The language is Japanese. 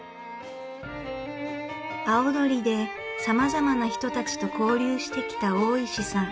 葵鳥でさまざまな人たちと交流してきた大石さん。